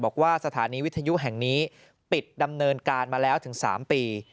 บอกว่าสถานีวิทยุแห่งนี้ปิดดำเนินการมาแล้วถึง๓ปี